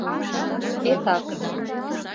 Шкетак.